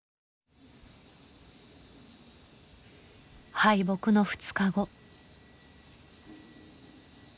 敗北の２日後。